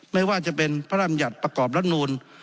ไม่ว่าจะเป็นพระราชบัญญัติประกอบรัฐนูล